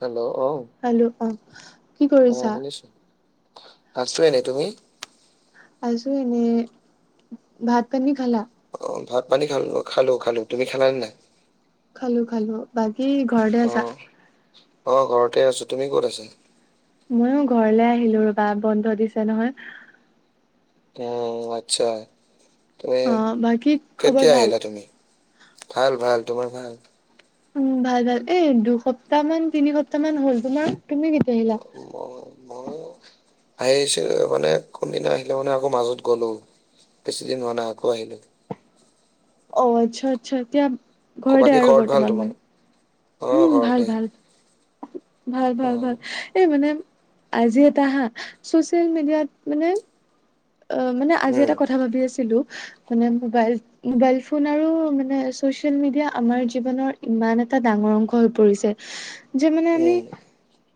Hello অ' hello অ' কি অ কৰিছা? শুনিছো আছো নাই তুমি? আছো এনে ভাত পানি খালা? অ, ' ভাত পানী খালো, খালো, খালো তুমি খালা নে নাই? খালো খালো। বাকী ঘৰ অ, অ, ঘৰতে আছো তুমি ক'ত আছা? ময়ো ঘৰলে আহিলো ৰবা বন্ধ দিছে নহয়। অ', আচ্ছা তমি অ বাকী খবৰ কেতিয়া ভাল আহিলা তুমি? ভাল, ভাল, তোমাৰ ভাল? উম, ভাল ভাল এ দুসপ্তাহ মান তিনি সপ্তাহ মান হল তোমাৰ তুমি কেতিয়া আহিলা? মই মই আহিছিল মানে, কোনদিনা আহিলে মানে আকৌ মাজত গ'লো। বেছি দিন হোৱা নাই, আকৌ আহিলো। অ', আচ্ছা আচ্ছা এতিয়া ক- বাকী ঘৰতে আৰু ঘৰত ভাল বৰ্তমান তোমাৰ মানে। অ উম' ভাল, ঘৰতে ভাল, ভাল, অ ভাল, ভাল, এই মানে আজি এটা হা, চচিয়েল মিডিয়াত মানে অ', মানে আজি উম এটা কথা ভাবি আছিলো মানে মবাইল মোবাইল ফোন আৰু মানে চচিয়েল মিডিয়া আমাৰ জীৱনৰ ইমান এটা ডাঙৰ অংশ হৈ পৰিছে। যে মানে আমি উম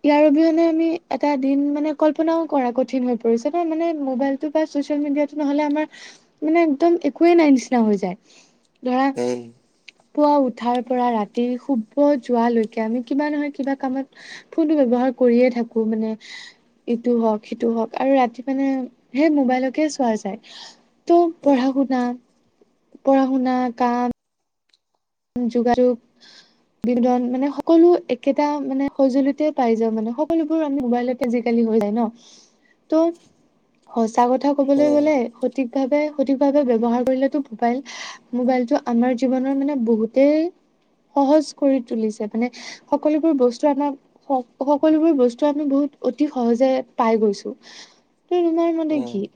ইয়াৰ অবিহনে আমি এটা দিন মানে কল্পনাও কৰা কঠিন হৈ পৰিছে নহ মানে মোবাইল ছচিয়েল মিডিয়টো নহলে আমাৰ মানে একদম একয়ে নাই নিচিনা হৈ যায়। ধৰা উম পুৱা উঠাৰ পৰা ৰাতি শুব যোৱালৈকে আমি কিবা নহয় কিবা কামত ফোনটো ব্যৱহাৰ কৰিয়ে থাকো মানে, ইটো হওক সিটো হওক আৰু ৰাতি মানে সেই মোবাইলকে চোৱা যায় ত' উম পঢ়া শুনা পঢ়া শুনা কাম যোগাযোগ বিনোদন মানে, সকলো একেটা মানে সঁজুলিতে পাই যাওঁ মানে সকলোবোৰ আমি মোবাইলত আজিকালি হৈ যায় ন' ত' সচা কথা কবলৈ উম গলে সঠিক ভাৱে সঠিকভাৱে ব্য্ৱহাৰ কৰিলে মোবাইল মোবাইলতটো আমাৰ জীৱনৰ মানে বহুতেই সহজ কৰি তুলিছে মানে, সকলোবোৰ বস্তু আমাক স' সকলোবোৰ বস্তু আমি বহুত অতি সহজে পাই গৈছো ত তোমাৰ মানে উম কি?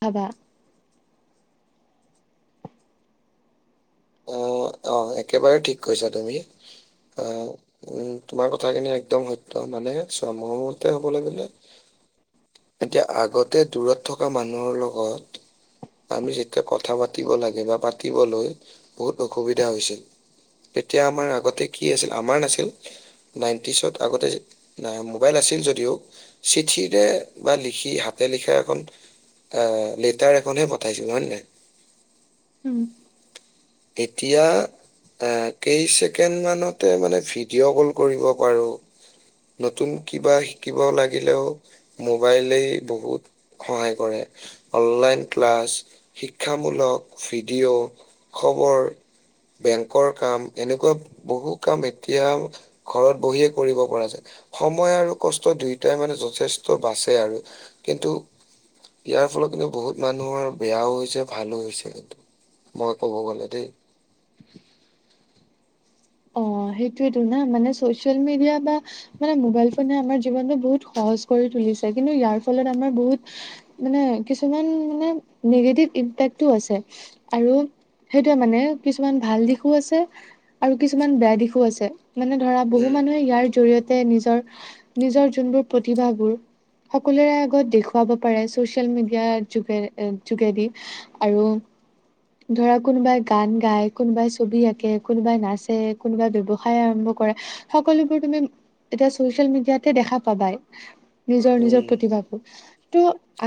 ভবা। অ', অ', একেবাৰে ঠিক কৈছা তুমি। অ', উম তোমাৰ কথাখিনি একদম সত্য় মানে চাম কবলে গলে এতিয়া আগতে দূৰত থকা মানুহৰ লগত আমি যেতিয়া কথা পাতিব লাগে বা পাতিবলৈ, বহুত অসুবিধা হৈছিল। তেতিয়া আমাৰ আগতে কি আছিল আমাৰ নাছিল। নাইনটিচত আগতে মোবাইল আছিল যদিও চিঠিৰে বা লিখি হাতে লিখা এখন অ', লেটাৰ এখনহে পঠাইছিলো হয় নে নাই? উম। এতিয়া এ কেই ছেকেণ্ড মানতে মানে ভিডিঅ' কল কৰিব পাৰো। নতুন কিবা শিকিব লাগিলেও মোবাইলেই বহুত সহায় কৰে, অনলাইন ক্লাছ শিক্ষামূলক ভিডিঅ' খবৰ বেংকৰ কাম এনেকুৱা বহু কাম এতিয়া ঘৰত বহিয়ে কৰিব পৰা যায় সময় আৰু কষ্ট দুয়োটাই মানে যথেষ্ট বাচে আৰু। কিন্তু ইয়াৰ ফলত কিন্তু বহুত মানুহৰ বেয়াও হৈছে ভালো হৈছে মই ক'ব গ'লে দেই। অ', সেইটোয়েতো না মানে চচিয়েল মিডিয়া বা মানে মোবাইল ফোনেহে আমাৰ জীৱনতটো বহুত সহজ কৰি তুলিছে কিন্তু ইয়াৰ ফলত আমাৰ বহুত মানে কিছুমান মানে নিগেটিভ ইম্পেক্টো আছে। আৰু সেইটোোৱে মানে কিছুমান ভাল দিশো আছে আৰু কিছুমান বেয়া দিশো আছে মানে ধৰা বহু উম। মানুহে ইয়াৰ জৰিয়তে নিজৰ নিজৰ যোনবোৰ প্ৰতিভাবোৰ সকলোৰে আগত দেখুৱাব পাৰে, চচিয়েল মিডিয়াৰ যোগে যোগেদি। আৰু ধৰা কোনোবাই গান গায়, কোনোবাই ছবি আঁকে, কোনোবাই নাচে, কোনোবাই ব্যৱসায় আৰম্ভ কৰে সকলোবোৰ তুমি এতিয়া চচিয়েল মিডিয়াতে দেখা পাবাই। নিজৰ নিজৰ উম। প্ৰতিভাবোৰ। ত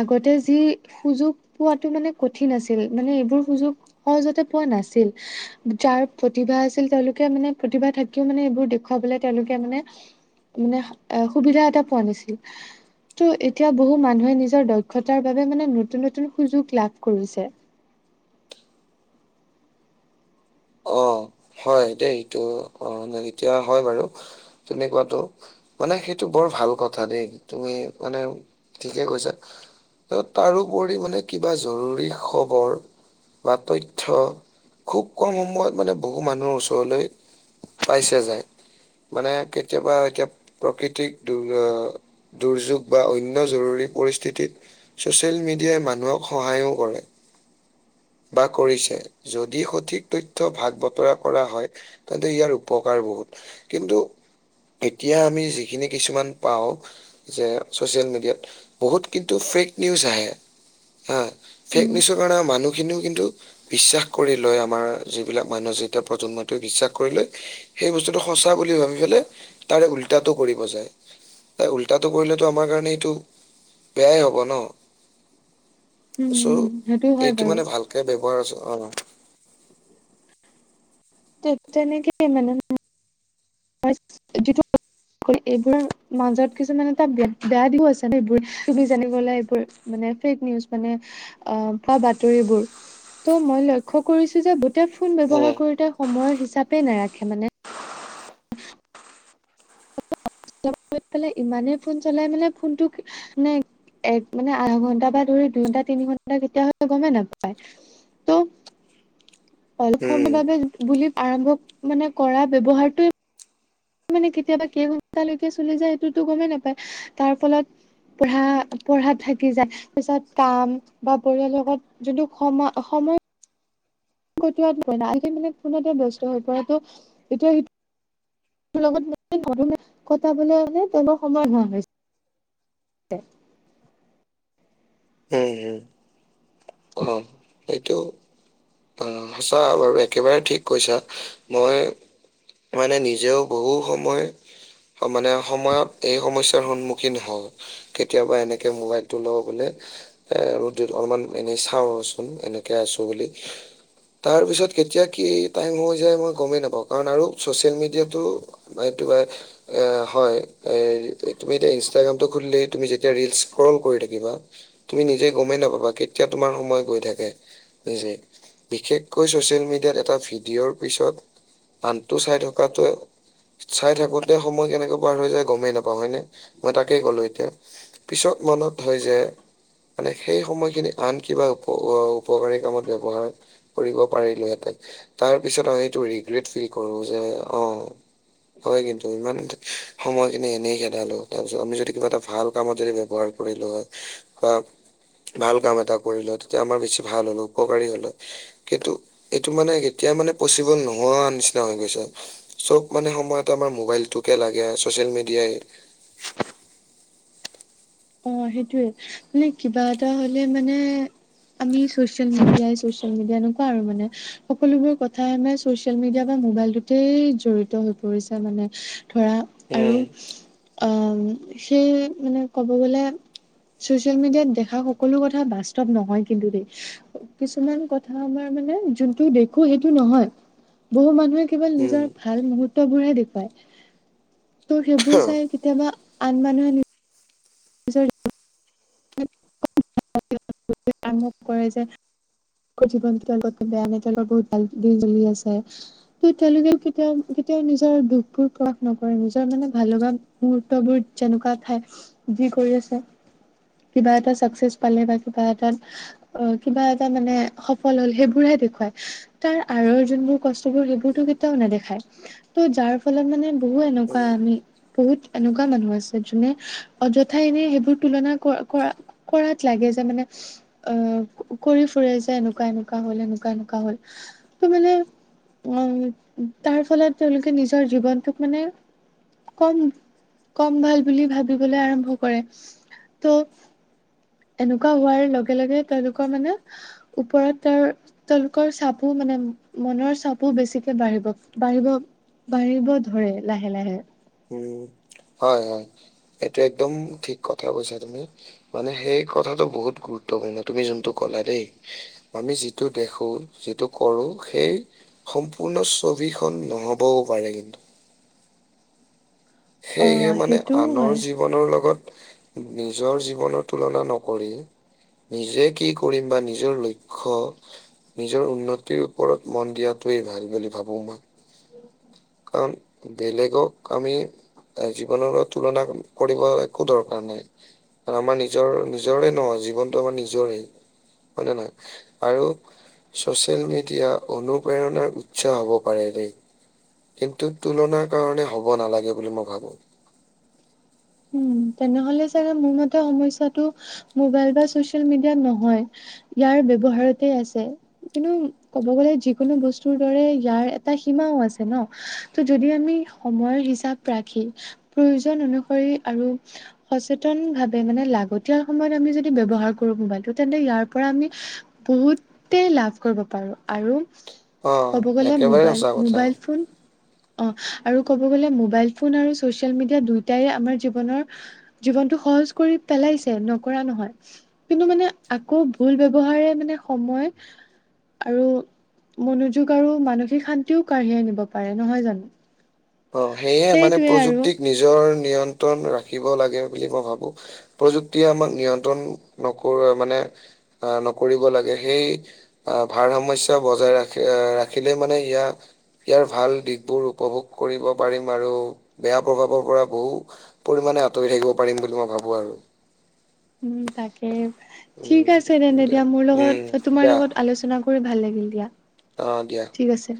আগতে যি সুযোগ পোৱাটো মানে কঠিন আছিল মানে এইবোৰ সুযোগ সহজতে পোৱা নাছিল। যাৰ প্ৰতিভা আছিল তেওঁলোকে মানে প্ৰতিভা থাকিও মানে এইবোৰ দেখুৱাবলৈ তেওঁলোকে মানে মানে সুবিধা এটা পোৱা নাছিল। ত এতিয়া বহু মানুহে নিজৰ দক্ষতাৰ বাবে মানে নতুন নতুন সুযোগ লাভ কৰিছে। অ', হয় দেই এইটো অ', এতিয়া হয় বাৰু তেনেকোৱাটো মানে সেইটো বৰ ভাল কথা দেই তুমি মানে ঠিকে কৈছা। তাৰোপৰি মানে কিবা জৰুৰী খবৰ বা তথ্য খুব কম সময়ত মানে বহু মানুহৰ ওচৰলৈ পাইছে যায় মানে কেতিয়াবা এতিয়া প্ৰকৃতিক দ দুৰ্যোগ বা অন্য জৰুৰী পৰিস্থিতিত ছচিয়েল মিডিয়াই মানুহক সহায়ো কৰে। বা কৰিছে যদি সঠিক তথ্য ভাগ বতৰা কৰা হয়, তেন্তে ইয়াৰ উপকাৰ বহুত কিন্তু এতিয়া আমি যিখিনি কিছুমান পাওঁ। যে চচিয়েল মিডিয়াত বহুত কিন্তু ফেক নিউজ আহে হা। ফেক উম, নিউজৰ কাৰণে মানুহখিনিও কিন্তু বিশ্বাস কৰি লয় আমাৰ যিবিলাক মানুহ যেতিয়া প্ৰজন্মটোৱে বিশ্বাস কৰি লয়। সেই বস্তুটো সঁচা বুলি ভাবি পেলাই, তাৰে উল্টাটো কৰিব যায়। তাই উল্টাটো কৰিলেটো আমাৰ কাৰণে এইটো বেয়াই হব ন? উম, উম, সেইটো চ' হয় এইটো বাৰু। মানে ভালকে ব্যৱহাৰ আছ অ', তেনেকে মানে যিটো এইবোৰ মাজত কিছুমান এটা বেয়া দিশো আছে ন' এইবোৰ তুমি জানিবা এইবোৰ মানে ফেক নিউজ মানে আ, বা বাতৰিবোৰ ত' মই লক্ষ্য কৰিছোঁ যে ফোন উম ব্যৱহাৰ কৰোতে সময়ৰ হিচাপে নাৰাখে মানে ইমানেই ফোন চলাই মানে ফোনটো মে এক মানে আধা ঘন্টা বা ধৰি দুই ঘন্টা তিনি ঘন্টা কেতিয়া হলে গমেই নাপাই ত' অলপ উম সময় বাবে বুলি আৰম্ভ মানে কৰা ব্যৱহাৰটোয়ে মানে কেতিয়াবা কেই ঘন্টালৈকে চলি যায় সেইটোতো গমেই নাপায় তাৰ ফলত পঢ়া পঢ়াত থাকি যায় পিছত কাম বা পৰিয়াল লগত যোনটো সময় সময় [unintelligible] মানে ফোনতে ব্যস্ত হৈ পৰেতো এতিয়া লগত [unintelligible] কটাবলে হলে তেওঁলোক সময় [unintelligible] [unintelligible] উম, হুম, অ', এইটো অ', সঁচা বাৰু একেবাৰে ঠিক কৈছা মই মানে নিজেও বহু সময় মানে সময়ত এই সমস্যাৰ সন্মুখীন হ কেতিয়াবা এনেকে মোবাইলটো লওঁ বোলে এ ৰ দিল অলপমান এনেই চাওঁচোন এনেকে আছোঁ বুলি [inaudible] তাৰ পিছত কেতিয়া কি টাইম হৈ যায় মই গমেই নাপাওঁ কাৰণ আৰু ছ'চিয়েল মিডিয়টো বা এইটো বা এ হয় এই তুমি এতিয়া ইনষ্টাগ্ৰামটো খুলিলে, তুমি যেতিয়া ৰিলচ্ স্কৰল কৰি থাকিবা তুমি নিজে গমেই নাপাবা কেতিয়া তোমাৰ সময় গৈ থাকে জে বিশেষকৈ ছচিয়েল মিডিয়াত এটা ভিডিঅ'ৰ পিছত আনটো চাই থকাতোৱে চাই থাকোতে সময় কেনেকে পাৰ হৈ যায়, গমেই নাপাওঁ হয়নে, মই তাকেই কলো এতিয়া পিছত মনত হয় যে মানে সেই সময়খিনি আন কিবা উপ উপকাৰী কামত ব্যৱহাৰ কৰিব পাৰিলো হেঁতেন। তাৰ পিছত আমি এইটো ৰিগ্ৰেট ফিল কৰো যে অ', হয় কিন্তু, ইমান সময় খিনি এনেই খেদালো তাৰ পিছত আমি যদি কিবা এটা ভাল কামত যদি ব্যৱহাৰ কৰিলো হয়, বা ভাল কাম এটা কৰিলো হয় তেতিয়া আমাৰ বেছি ভাল হলো উপকাৰী হল হয়, কিন্তু এইটো মানে কেতিয়া মানে পচিবল নোহোৱা নিচিনা হৈ গৈছে। চব মানে সময়ত আমাৰ মবাইলটোকে লাগে চচিয়েল মিডিয়াই অ', সেইটোয়ে মানে কিবা এটা হলে মানে আমি চচিয়েল মিডিয়াই, চচিয়েল মিডিয়া এনেকুৱা আৰু মানে সকলোবোৰ কথাই আমাৰ চচিয়েল মিডিয়া বা মোবাইলটোতেই জৰিত হৈ পৰিছে মানে। ধৰা উম, আ, সেই মানে ক'ব গলে চচিয়েল মিডিয়াত দেখা সকলো কথা বাস্তৱ নহয় কিন্তু দেই কিছুমান কথা আমাৰ মানে যোনটো দেখো সেইটো নহয় বহু মানুহে কেৱল উম নিজৰ ভাল মুহুৰ্তবোৰ হে দেখুৱায় ত' সেইবোৰ চাই কেতিয়াবা আন মানুহে নিজৰ [unintelligible] কৰে যে জীৱনটো তেওঁলোক বেয়া নাই, তেওঁলোকৰ বহুত ভাল দিল চলি আছে। ত' তেওঁলোকে কেতিয়াও কেতিয়াও নিজৰ দুখবোৰ ক্ৰাস নকৰে, নিজৰ মানে ভালবা মুহুৰ্তবোৰ যেনেকুৱা ঠাই, যি কৰি আছে কিবা এটা চাকচেছ পালে বা কিবা এটা অ' কিবা এটা মানে সফল হ'ল সেইবোৰহে দেখুৱায়। তাৰ আঁৰৰ যোনবোৰ কষ্টবোৰ সেইবোৰতো কেতিয়াও নেদেখায়। ত' যাৰ ফলত মানে বহু এনেকুৱা উম আমি বহুত এনেকুৱা মানুহ আছে, যোনে অযথাই এনে সেইবোৰ তুলনা কৰা কৰাত লাগে যে মানে আ, কৰি ফুৰে যে এনেকুৱা এনেকুৱা হ'লে এনেকুৱা এনেকুৱা হয়। ত' মানে উ, তাৰফলত তেওঁলোকে নিজৰ জীৱনটোক মানে কম কম ভাল বুলি ভাবিবলৈ আৰাম্ভ কৰে, ত' এনেকুৱা হোৱাৰ লগে লগে তেওঁলোকৰ মানে, ওপৰত তেওঁৰ তেওঁলোকৰ চাপো মানে মনৰ চাপো বেছিকে বাঢ়িব, বাঢ়িব বাঢ়িব ধৰে লাহে লাহে। উম, হয় হয়, এইটো একদম ঠিক কথাই কৈছা তুমি। মানে সেই কথাটো বহুত গুৰুত্বপূৰ্ণ, তুমি যোনটো কলা দেই। আমি যিটো দেখো, যিটো কৰো সেই সম্পূৰ্ণ ছবিখন নহ'বও পাৰে কিন্তু। সেয়েহে অ মানে সেইটোও আনৰ হয় যি জীৱনৰ লগত নিজৰ জীৱনৰ তুলনা নকৰি নিজে কি কৰিম বা নিজৰ লক্ষ্য নিজৰ উন্নতিৰ ওপৰত মন দিয়াটোৱেই ভাল বুলি ভাবোঁ মই। কাৰণ বেলেগক আমি তাই জীৱনৰ তুলনা কৰিব একো দৰকাৰ নাই। আৰু আমাৰ নিজৰ নিজৰে ন' জীৱনটো আমাৰ নিজৰেই। হয় নে নহয়? আৰু ছচিয়েল মিডিয়া অনুপ্ৰেৰণাৰ উৎসাহ হ'ব পাৰে দেই। কিন্তু তুলনাৰ কাৰণে হ'ব নালাগে বুলি মই ভাবো। উম, তেনেহ'লে চাগে মোৰ মতে সমস্যা মোবাইল বা চচিয়েল মিডিয়াত নহয়। ইয়াৰ ব্যৱহাৰতে আছে কিন্তু ক'ব গ'লে যিকোনো বস্তুৰ দৰে ইয়াৰ এটা সীমাও আছে ন' ত' যদি আমি সময়ৰ হিচাপ ৰাখি, প্ৰয়োজন অনুসৰি আৰু সচেতন ভাৱে মানে লাগতিয়াল সময়ত আমি যদি ব্যৱহাৰ কৰো মোবাইলটো তেন্তে ইয়াৰ পৰা আমি বহুতেই লাভ কৰিব পাৰো। আৰু অ ক'ব গ'লে একেবাৰে মোবাইল, সঁচা কথা মোবাইল ফোন অ' আৰু ক'ব গ'লে মোবাইল ফোন আৰু ছচিয়েল মিডিয়া দুয়োটাই আমাৰ জীৱনৰ জীৱনটো সহজ কৰি পেলাইছে নকৰা নহয়। কিন্তু মানে আকৌ ভুল ব্যৱহাৰে মানে সময় আৰু মনোযোগ আৰু মানসিক শান্তিও কাঢ়িয়াই আনিব পাৰে নহয় জানো? অ' সেয়ে মানে সেইটোৱে আৰু প্ৰযুক্তিক নিজৰ নিয়ন্ত্ৰণ ৰাখিব লাগে বুলি মই ভাবো। প্ৰযুক্তিয়ে আমাক নিয়ন্ত্ৰণ নকৰে মানে আহ, নকৰিব লাগে সেই আ, ভাৰ সমস্যা বজাই ৰাখি, ৰাখিলে মানে ইয়া ইয়াৰ ভাল দিশবোৰ উপভোগ কৰিব পাৰিম আৰু বেয়া প্ৰভাৱৰ পৰা বহু পৰিমাণে আঁতৰি থাকিব পাৰিম বুলি মই ভাবোঁ আৰু। [inaudible] উম, তাকে। ঠিক আছে উম তেন্তে দিয়া মোৰ উম লগত তোমাৰ দিয়া লগত আলোচনা কৰি ভাল লাগিল দিয়া। অ' দিয়া। ঠিক আছে।